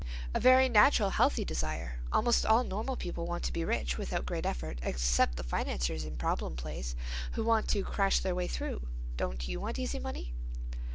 "A very natural, healthy desire. Almost all normal people want to be rich without great effort—except the financiers in problem plays, who want to 'crash their way through.' Don't you want easy money?"